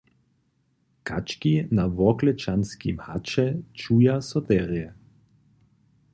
Kački na Worklečanskim haće čuja so derje.